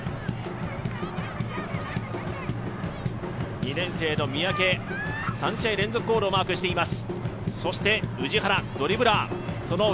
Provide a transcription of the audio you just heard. ２年生の三宅、３試合連続ゴールをマークしています。